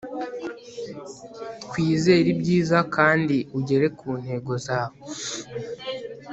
twizere ibyiza kandi ugere kuntego zawe